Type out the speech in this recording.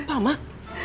ma apa kamu mau buat